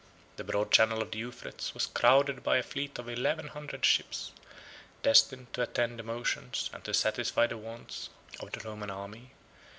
The broad channel of the Euphrates 41 was crowded by a fleet of eleven hundred ships, destined to attend the motions, and to satisfy the wants, of the Roman army.